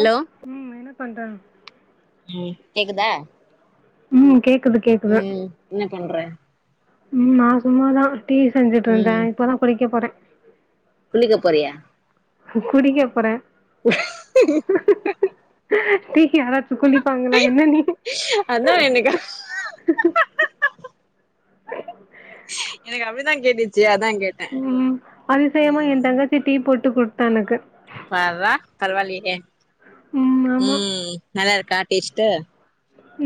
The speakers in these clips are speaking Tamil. ஹலோ உம் என்ன பண்றே ம் கேக்குதா ம் கேக்குது கேக்குது ம் என்ன பண்ற உம் நான் சும்மாதான் டீ செஞ்சுட்டு ம் இருந்தேன் இப்பதான் குளிக்க போறேன் குளிக்க போறியா குடிக்கப்போறேன் உ டீ க்கு யாராச்சும் குளிப்பாங்களா என்ன நீ அதான் என்னக்கா எனக்கு அப்படித்தான் கேட்டுச்சு அதான் கேட்டேன் ம் அதிசயமா உம் என் தங்கச்சி டீ போட்டு கொடுத்தானுக்கு பார்ரா பரவாயில்லயே ம் ஆமா ம் நல்லா இருக்கா டேஸ்ட்டு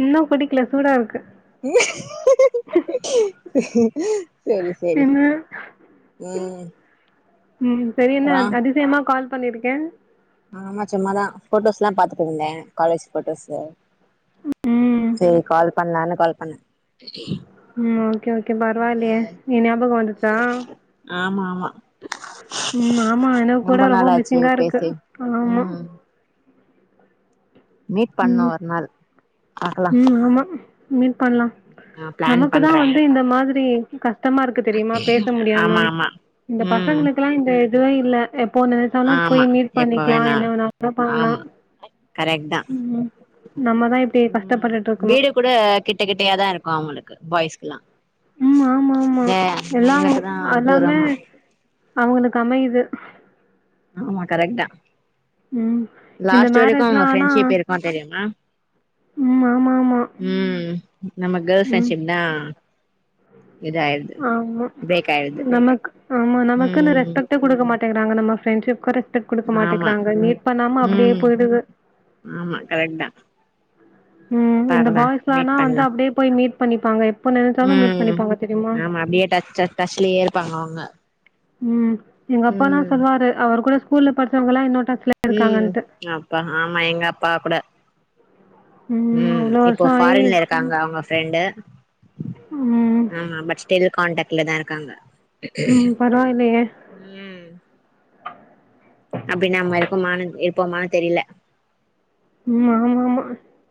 இன்னும் குடிக்கல சூடா இருக்கு சரி சரி என்ன உம் ம் சரி என்ன அதிசயமா கால் பண்ணியிருக்கே ஆஹ ஆமா சும்மாதான் போட்டோஸ் லாம் பாத்துட்டு இருந்தேன் காலேஜ் போட்டோஸ்ஸு ம் கால் பண்ணலானு கால் பண்னே ம் ஓகே ஓகே பரவாயில்லே நீ ஞாபகம் வந்துச்சா ஆமா ஆமா உம் ஆமா எனக்கு கூட ரொம்ப நாளாச்சு மிசிங்கா இருக்கு பேசி ஆமா ம் மீட் பண்ணு ம் ஒரு நாள் பாக்கலா ம் ஆமா மீட் பண்ணலா நா பிளான் நமக்குதா பண்றே வந்து இந்த மாதிரி கஷ்டமாருக்கு தெரியுமா பேச முடியாம ஆமா ஆமா இந்த ம் பசங்களுக் லா இந்த இதுவே இல்ல எப்போ நெனைச்சனா ஆமா போய் மீட் எப்ப பண்ணிக்கலா வேணா என்ன வேணாலு பண்லா ஆமா கரெக்ட் தா ம் நம்மதா இப்டியே ம் கஷ்டப்பட்டுருக்கணு வீடு கூட கிட்ட கிட்டையாதா இருக்கு அவுங்களுக்கு பாய்ஸ்க்குல்லா ம் ஆமா ஆமா இந்த எல்லா நம்மளுக்குதா எல்லாமே தூரமா அவுங்களுக்கு அமையுது ஆமா கரெக்ட்டா ம் இந்த லாஸ்ட் வரைக்கு மேரேஜ்லா அவுங்க ஆனா ஃப்ரெண்ட்ஷிப் இருக்கு தெரியுமா ம் ஆமா ஆமா ம் நம்ம கேர்ள்ஸ் ம் ஃப்ரெண்ட்ஷிப் தா இதாயிடுது ஆமா பிரேக் ஆயிடுது நமக்கு ஆமா நமக்குன்னு ம் ரெஸ்பெக்ட் டே குடுக்க மாட்டேங்கிறாங்க நம்ம ஃப்ரெண்ட்ஷிக்கு ரெஸ்பெக்ட் குடுக்க ஆமா மாட்டேங்கிறாங்க மீட் பண்ணாம அப்டியே ம் போய்டுது ஆமா கரெக்ட் தா ம் இந்த பாக்கலா பாய்ஸ்லானா மீட் வந்தா பண்லா அப்டியே போய் மீட் பண்ணிப்பாங்க எப்ப நெனச்சாலு மீட் ம் பண்ணிப்பாங்க தெரியுமா ஆமா அப்டியே [unintelligible] டச்லயே இருப்பாங்க அவுங்க ம் எங்க அப்பால்லா சொல்லுவாரு அவரு கூட ஸ்கூல்ல படிச்சவங்கல்லா இன்னு டச்லயே ம் அப்பா ஆமா எங்க அப்பா கூட ம் அவ்ளோ இப்போ வருஷோ ஆயி ஃபாரின்ல இருக்காங்க அவுங்க ஃப்ரெண்டு ம் ஆ பட் ஸ்டில் கான்டாக்ட்ல தா இருக்காங்க ம் பரவாயில்லையே ம் அப்டின் நம்ம இருக்கோம்மானு இருப்போமானு தெர்ல ம் ஆமா ஆமா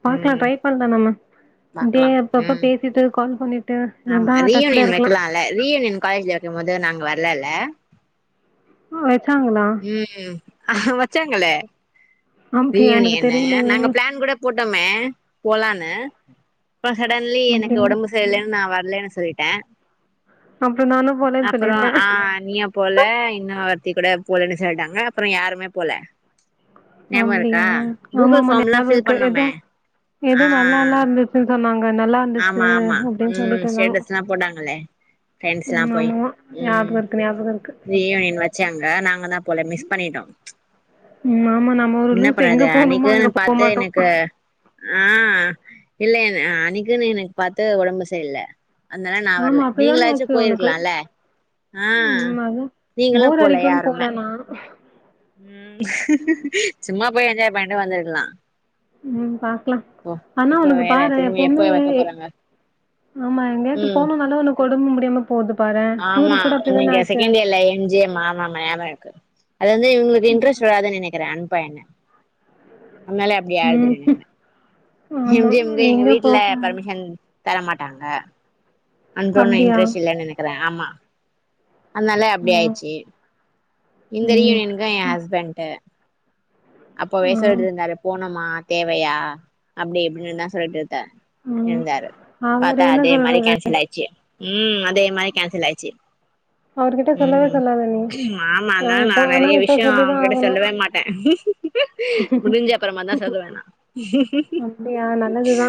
பாக்கலா ம் ட்ரை பண்லா நம்ம டே பாக்கலா அப்பப்ப ம் பேசிட்டு கால் பண்ணிட்டு ஆமா இருந்தா டச்ல ரீயூனியன் இருக்கலா வைக்கலால்ல ரீயூனியன் காலேஜ்ல வைக்கும் போது நாங்க வரலல்ல வச்சாங்களா ம் வச்சாங்களே அப்டியா எனக்கு ரீயூனியனு தெரியலையே நாங்க பிளான் கூட போட்டோமே போலான்னு பொ சடன்லி எனக்கு அப்டியா உடம்பு லன்னு நா வரலன்னு சொல்லிட்டே அப்றோ நானு போலன்னு அப்றோ சொல்லிருப்பே ஆ இனியா போல இன்னு ஆர்த்தி கூட போலன்னு சொல்லிட்டாங்க அப்றோ யாருமே போல ஞாபகோ அப்டியா இருக்கா கூகுள் ஆமாமா ஃபார்ம்லா ஃபில் ஞாபகொருக்கு ஏதோ பண்ணோமே எதோ ஆ நல்லால்லா இருந்து அப்பின்னு சொன்னாங்க நல்லாருந்துச்சு ஆமா ஆமா அப்டின்னு ம் சொல்லிட்டுருந்தாங்க ஸ்டேட்டஸ்லா போட்டாங்களே ஃப்ரெண்ட்ஸ்லா ம் போய் ஆமா ம் ஞாபகோருக்கு ஞாபகோருக்கு ரீயூனியன் வச்சாங்க நாங்க தா போல மிஸ் பண்ணிட்டோ ம் ஆமா நம்ம ஒரு என்ன லூசு எங்க பண்றது போணுமோ அன்னிக்குனு அங்க பாத்து போமாட்டோ எனக்கு ஆ இல்லல்ல அன்னிக்குன்னு எனக்கு பாத்து உடம்பு சரியில்ல அதனால நா ஆமா வரல அப்டிதானே நீங்களாச்சு ஆச்சு உனக்கு போய்ருக்கலால ஆ ம் அதா நீங்களு போர் போல அடிக்குன்னு யாருமே நா ம் சும்மா போய் என்ஜாய் பண்ணிட்டு வந்துர்க்கலா ம் பாக்கலா ஆனா இப்ப உனக்கு வேற பாரே திரும்பி எப்ப எப்பவுமே வைக்க போறாங்க ஆமா எங்கோச்சு ம் போனும்னால ஒனக்கு ஒடம்பு முடியாம போது பாறே டூரு கூட அப்டிதான தெரியவே இல்ல எம் ஜி எம் க்கு ஆமா ஆமா ஞாபகம் இருக்கு அது வந்து இவுங்களுக்கு இன்ட்ரெஸ்ட் வராதுன்னு நெனைக்கிறே அன்ப்ப என்ன அப்டியாது ம். நின்னுக்றே ஆமா. இவ்ங்க இவ்ங்க எங்க போ வீட்டுல பர்மிஷன் தரமாட்டாங்க அன்ப்ப ஒன்னு அப்படியா? இன்ட்ரெஸ்ட் இல்லன்னு நெனக்கிறே ஆமா அத்னால அப்டி ம். ஆயிச்சி இந்த ம். ரியூனியனுக்கு எ அ ஹஸ்பண்ட்டு அப்பவே ம். சொல்லிட்டுருந்தாரு போணுமா தேவையா அப்டி இப்டின்னு தா சொல்லிட்டுருந்தார் ம். இருந்தாரு அவரு பாத்தா என்ன அதே மாரி சொல்றது? கேன்சல் ஆயிடுச்சு ம் அதே மாரி கேன்சல் ஆயிடுச்சு அவர்கிட்ட சொல்லவே ம் சொல்லாத நீ. மாமா அ தான் நா இப்ப ஆனா நெறைய இப்ப விஷ்யோ சொல்லிதான் அவங்ககிட்ட ஆகணும். சொல்லவே மாட்டேன் முடிஞ்ச ப்பறமா தா சொல்லுவே நா அப்டியா நல்லதுதா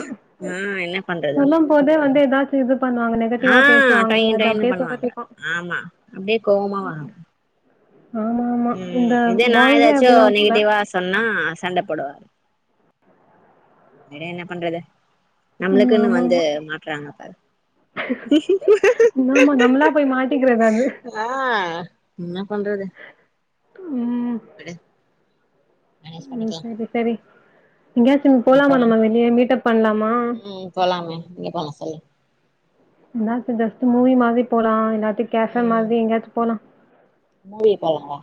ஆ என்ன பண்றது சொல்லும் போதே வந்து எதாச்சும் இது பண்ணுவாங்கனே ஆ டை டைன்னு பண்ணுவாங்க ஆமா அப்டியே கோவமா வரு ஆமா, ஆமா. இந்த ம் இதே நா பாய்ஸே ஏதாச்சு அப்படிதான் போல. நெகட்டிவா சொன்னா சண்ட போடுவார் விடு என்ன பண்றது ம். நம்மளுக்குன்னு வந்து மாட்றாங்க பாரு மாமா நம்மளா போய் மாட்டிக்கிறது அது ஆ என்னா பண்றது டும் விடு மேனேஜ் ம் பண்ணிக்கலா சரி சரி எங்கேயாச்சும் போலாமா அப்பறோ நம்ம வெளியே மீட்டப் பண்லாமா ம் போலாமே எங்க போலா சொல்லு என்னாத்த ஜஸ்டு மூவி மாரி போலாம் எல்லாத்தையு கேஃபே ம் மாரி எங்கெச்சு போலாம் மூவி போலாவா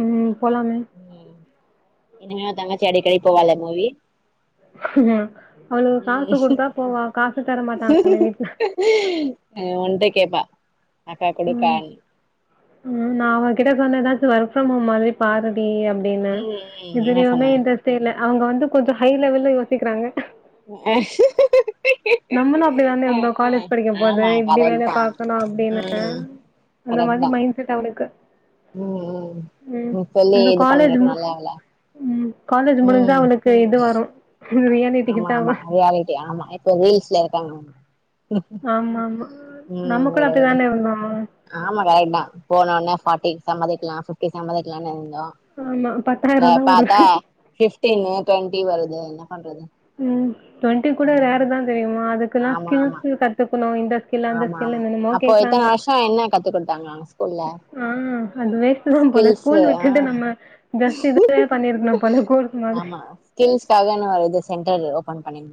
உம் போலாமே உம் இனிமே தங்கச்சி அடிக்கடி போவால்ல மூவி உம் அவளுக்கு காசு ம் குடுத்தா போவா காசு தர மாட்டாங்களே வீட்ல ஒன்ட்ட கேப்பா அக்கா ம் குடுக்கான்னு ம் நா அவகிட்ட சொன்னதாச்சு வொர்க் ஃப்ரம் ஹோம்மாதிரி பாருடி அப் அப்டின்னு ம் ம் என்ன எதுலயுமே சொன்னா இன்ட்ரெஸ்ட்டே இல்ல அவுங்க வந்து கொஞ்சோ ஹை லெவல்ல யோசிக்றாங்க அ [inaudible] நம்மளு அப்டிதான இருந்தோ காலேஜ் படிக்க போது ஆமா இப்டி வேலை கரெக்ட்தா பாக்கணு அப்டின்னு ம் அந்த மாதிரி கரெக்ட்தா மைண்ட் செட் அவளுக்கு ம் ம் உம் நீ சொல்லி அந்த இது காலேஜ் மு பண்ணிருக்கணுல்ல அவள உம் காலேஜ் முடிஞ்சா ம் அவனுக்கு இது வரும் ஆமா ஆமா அது ரியாலிட்டி ஆமா இப்ப ரீல்ஸ்ல இருக்காங்க ஆம்மாம்மா உம் வட வட ஆம்மாம்மா ஆமா ரைட் தா போனோன்னே பாட்டி சம்மதிக்கலா ஃபிஃப்டி சம்மதிக்கலாம்னு இருந்தோ ஆமா இல்ல பத்தாயிரந்தா வருது பாத்தா ஃபிஃப்டீனு ட்வெண்டி வருது என்ன பண்றது ம் டவெண்டி கூட ம் ரேரு தா தெரியுமா அதுக்கெல்லா ஆமா ஆமா ஸ்கில்ஸ் கத்துக்கணு இண்ட ஸ்கில்லு அந்த ஆமா ஸ்கில்லு ஆமா என்னென்மோ அப்போ கேக்றாங்க இத்தன வருஷோ என்ன கத்து குடுத்தாங்க அங்க ஸ்கூல்ல ஆ அதுவே அதான் போல ஸ்கில்ஸு ஸ்கூல் ஆ விட்டுட்டு நம்ம ஜஸ்ட் இதே பண்ணிருக்கணு போல கோர்ஸ் மாதிரி ஸ்கில்ஸ்க்காகன்னு ஒரு இது சென்டர் ஓபன் பண்ணே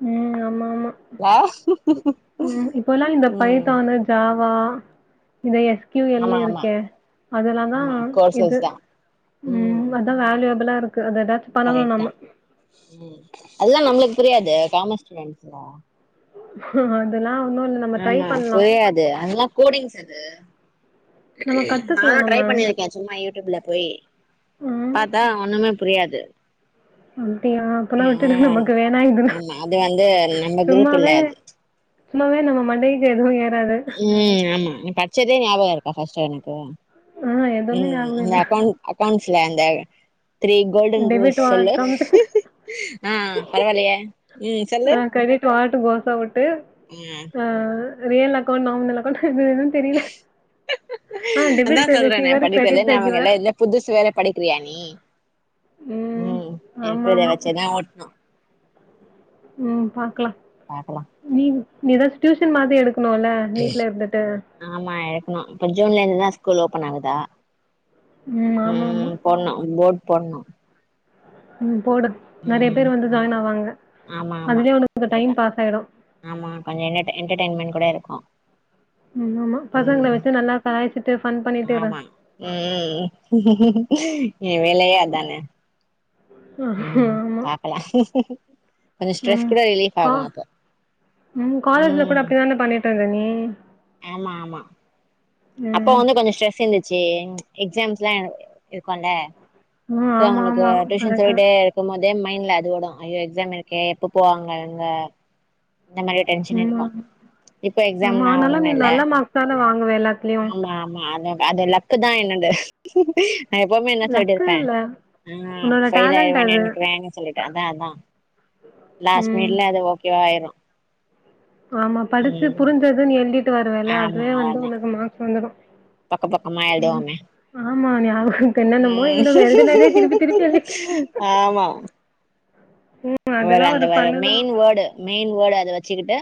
ம். ல்ல உம் இப்பல்லா இந்த பைத்தான்னு ஜாவா இதயே கியூ ஆமா எல்லு ஆமா இருக்கே அதெல்லா தா ஆமா இது கோர்சஸ் தா உம் அதா வேல்யூபிளா ருக்கு ரெடார்டி கரெக்ட்டு தா அதெல்லாம் நம்மளுக்கு புரியாது காமர்ஸ் ஸ்டூடன்ட்ஸ் டா அதெல்லா ஒன்னு இல்ல நம்ம ட்ரை ஆமா பண்ணலாம். புரியாது அதெல்லா கோடிங்ஸ் அது நம்ம நானு கத்துக்கலாம் ட்ரை நம்ம. பண்ணிருக்கே சும்மா யூடியூப்ல போய் ம். பாத்தா ஒண்ணுமே புரியாது அப்டியா அப்பன்னா விட்டுடு ம் நமக்கு வேணா இதெல்லா ஆமா அது வந்து நம்ம குரூப் இல்ல சும்மாவே அது சும்மாவே நம்ம மண்டைய ல எதுவு ஏறாது ம் ஆமா நீ பட் சதே ஞாபக இருக்கா ஃபஸ்ட்டு உனக்கு ஆ எதுவுமே ம் ஞாபகம் அந்த இல்ல. அக்கௌண்ட் அக்கௌண்ட்ஸ்ல அந்த த்ரீ கோல்டன் ரூல்ஸ் டெபிட் ஆர் சொல்லு கம்ப்ளைண்ட் ஆ பரவாயில்லையே ம் சொல்லு ஆ கிரெடிட் வாட்டு வோஸ் அவுட்டு ம் ஆ ரியல் அக்கௌண்ட் நார்மல் அக்கௌண்ட் எது எது தெரியல ஆ அதா டெபிட் த சொல்றேனே ரிசீவர், படிச்சதே கிரெடிட் த ஞாபக கிவர். இல்ல இதுல புதுசு வேற படிக்கிறியா நீ ம் இருக்குறத ஆமாமா. வச்சே தா ஓட்னு ம் பாக்கலா பாக்கலா நீனு நீ ஏதாச்சு டியூஷன் மாரி எடுக்கணுல வீட்ல இருந்துட்டு ஆமா எடுக்கணு இப்ப ஜூன்ல இருந்துதா ஸ்கூல் ஓப்பன் ஆகுதா ம் ஆமா ஆமா போட்ணு போர்ட் போட்ணு ம் போடு நறைய ம் பேர் வந்து போட்ணு ஜாயின் ஆவாங்க ஆமா ஆமா அதுலயே உனக்கு இந்த கண்டிப்பா டைம் பாஸ் ஆயிடு ஆமா கொஞ்ச எண்டர்டெயின் எண்டர்டெயின்மெண்ட் கூட இருக்கு ம் ஆமா பசங்கள ம் வச்சு நல்லா கலாய்ச்சுட்டு ஃபன் பண்ணிட்டே இரு ஆமா ம் ஏ வேலையே அதானே ம் ஆமா. பாக்கலா கொஞ்ச ஸ்ட்ரெஸ் ம் கூட ரிலீஃப் கா ஆகு அப்போ ம் காலேஜ்ல கூட ம் அப்டி தானே பண்ணிட்டு இருந்த நீ ஆமா ஆமா அப்போ ம். வந்து கொஞ்ச ஸ்ட்ரெஸ் இருந்துச்சு எக்ஸாம்ஸ் எல்லா இருக்கும்ல ம். சோ ஆமா, அவுங்களுக்கு ஆமா. Tuition correct. சொல்லிட்டே இருக்கும்போதே மைண்ட்ல அது ஓடும் ஐயோ எக்ஸா இருக்கே எப்போ போவாங்க இவுங்க அந்த மாரி டென்ஷன் ஆமா. இருக்கு இப்ப ஆமா. எக்ஸாம்லா ஆனாலும் ஒன்னுமே நீ இல்ல நல்ல மார்க்ஸ் தான வாங்குவ எல்லாத்துலயும். ஆமா ஆமா அது அதெல்லா க்கு தா என்னண்டு நா எப்பவுமே என்ன சொல்லிட்டு லக்கு இருப்ப இல்ல. ஆ உன்னோட ஃபெயில் டேலண்ட் ஆயிருவேனு அது. நெனைக்கிறேன்னு சொல்லிட்டு அதா அதா லாஸ் ம். மினிட்ல அது ஓகேவாயிரு ஆமா படிச்சு புரிஞ்சதுன்னு எழுதிட்டு வருவேல ஆமா அதுவே வந்து அதா உனக்கு மார்க்ஸ் வந்துடு பக்க பக்கமா எழுதுவோமே ஆமா ஞாபக என்னன்னமோ ம் எழுதுவ எழுதுனதே திருப்பி திருப்பி எழுதிட்டு ம். வேற அதெல்லாம் அந்த ஒரு ஃபன்னு தான். மெயின் வேர்டு மெயின் வேர்டு அத வச்சுக்கிட்டு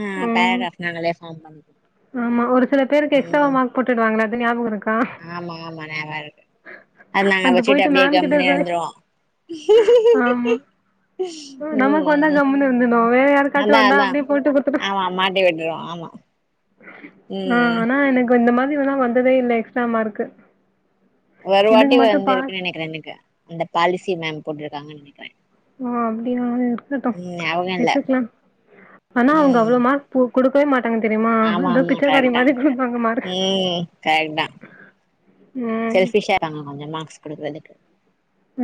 ஆ ம். பேராகிராஃப் நாங்களே ஃபார்ம் பண்ணுவோ ம் போட்டுடுவாங்கள அது ஞாபக இருக்கா ஆமா ஆமா ஞாபவ இருக்கு அத நாங்க அது வச்சுட்டு போயிட்டு அப்டியே மேம் கிட்ட கம்முன்னே போய் இருந்துருவோ ஆ நமக்கு வந்தா ம் கம்முன்னு இருந்துணு வேற யாருாக்காச்சு அதா வந்தா அதா அப்டியே போட்டு குடுத்துடுவோ ஆமா மாட்டி விட்டுருவோ ஆமா ஆ ம் ஆனா எனக்கு இந்த மாதிரி வேணா வந்ததே இல்லை எக்ஸ்ஸாம் மார்க்கு ஒரு எனக்கு வாட்டி மட்டு பாஸ் வந்துருக்குன்னு நினைக்கிறே எனக்கு இந்த பாலிசி மேம் போட்டிருக்காங்கன்னு நினைக்கிறே ஆ அப்படியா இருக்கட்டு அவங்க இல்ல வச்சுக்கலா ஆனா அவங்க ம் அவ்வளவு மார் கு குடுக்கவே மாட்டாங்க தெரியுமா ஆமா அதா ஆமா பிச்சைக்காரி கரெக்ட் தா மாதி குடுப்பாங்க மாரு ம் கரெக்ட் தா செல்ஃபிஷா ஆயிராங்க கொஞ்ச மார்க்ஸ் குடுக்குறதுக்கு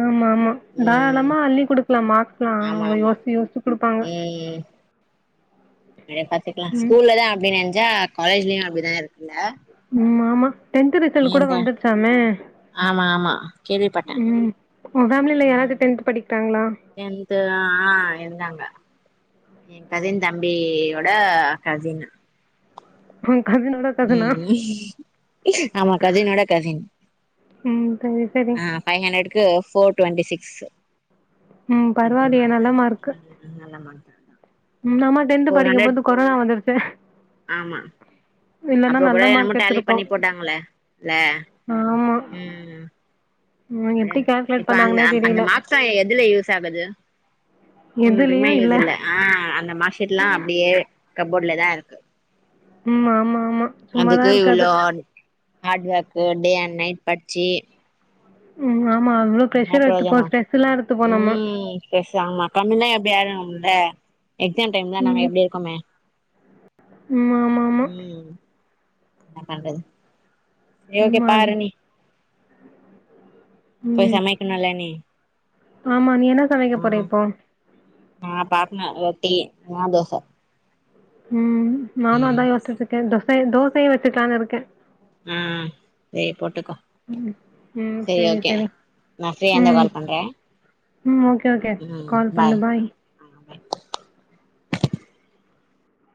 ஆமா ஆமா ம் தாரளமா அள்ளி குடுக்கலா மார்க்ஸ்லா ஆமா அவுங்க யோசிச்சு யோசிச்சு குடுப்பாங்க ம் ற பாத்துக்லா ம் ஸ்கூல்லதா அப்படினு நெஞ்சா காலேஜ்லயு அப்டிதா இருக்குல்ல ம் ஆமா டென்த் ரிசல்ட் கூட ஏன்டா வந்துருச்சாம ஆமா ஆமா கேள்விப்பட்டே ம் உங் பேமிலில யாராது ம் டென்த் படிக்றாங்களா டென்த்து ஆ இருந்தாங்க ஏ கஸின் தம்பியோட கஸின் [unintelligible] ம் ஆமா கஸினோட கஸின் ம் சரி சரி ஆ ஃபை ஹன்ட்ரக்கு ஃபோர் டொண்டி சிக்ஸ் ம் சம்திங் பர்வாயில்லையே நல்ல வாங்குனாங்க மார்க்கு ம் நல்ல மார்க் நம்ம் டென்து ஃபோர் ஹண்ட்ரட் படிக்கும்போது கொரோனா வந்துருத்து ஆமா அப்ப கூட என்னமோ மார்க் டேலி எடுத்திருப்போம் பண்ணி போட்டாங்களே இல்ல ஆமா ம் ம் எப்படி கால்குலேட் இப்ப அந்த பண்ணாங்கன்னே அந்த தெரியல மார்க்ஸ்லா எதுல யூஸ் ஆகுது ஒன்னுதுக்குமே யூஸ் இல்ல ஆ அந்த மார்க்ஷீட்லா அப்டியே கப்போர்டலதா இருக்கு ம் ஆமா ஆமா அதுக்கு சும்மாதான் இருக்காது இவ்ளோ ஹாட் ஹாட் ஒர்க் பண்ணி அண்ட் நைட் பட்ச்சு ம் ஆமா [inaudible] ன ப்ரோஜன எடுத்துப்போம் ஸ்ட்ரெஸ் எல்லாம் எடுத்துப்போம் நம்ம ம் பேசாம கம்மி தா எப்டி ஆச்சு ல எக்ஸாம் டைம்ல நாங்க ம் எப்படி இருக்குமே ம் ஆமா ஆமா ம் ன பண்றது ரேவதி ம் அது பாரு நீ போய் ம் சமைக்கணுல நீ ஆமா நீ என்ன சமைக்க போற ம் இப்போ நா பாப்பன ரொட்டி நா தோச ம் நானு அதா ம் யோசிட்டு இருக்கே தோசை தோசையே வச்சுக்லானனு இருக்கே ம் செரி போட்டுக்கோ ம் ம் செரி சரி ஓகே சரி நா ஃப்ரீயா இருந்தா ம் கால் பண்றே ம் ஓகே ஓகே கால் பண்ணு பாய்